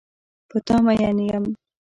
په تا مین یم.